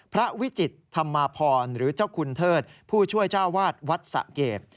วิจิตธรรมาพรหรือเจ้าคุณเทิดผู้ช่วยเจ้าวาดวัดสะเกด